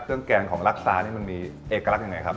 เครื่องแกงของลักซาเนี่ยมันมีเอกลักษณ์อย่างไรครับ